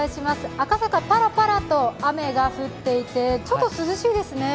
赤坂、パラパラと雨が降っていてちょっと涼しいですね。